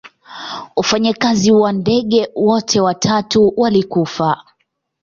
Wafanyikazi wa ndege wote watatu walikufa.